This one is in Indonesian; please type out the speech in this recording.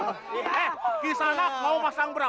eh kisah nak mau pasang berapa